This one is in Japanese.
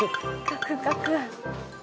カクカク。